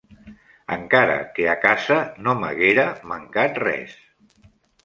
Encara que a casa no m'haguera mancat res.